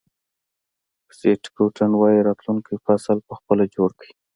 سیټ گودن وایي راتلونکی فصل په خپله جوړ کړئ.